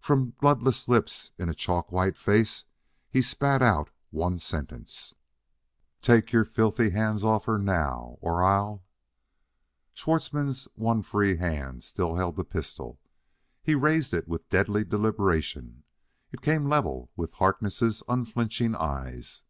From bloodless lips in a chalk white face he spat out one sentence: "Take your filthy hands off her now or I'll " Schwartzmann's one free hand still held the pistol. He raised it with deadly deliberation; it came level with Harkness' unflinching eyes.